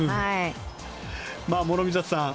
諸見里さん